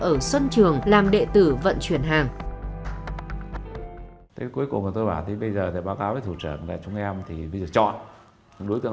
ở xuân trường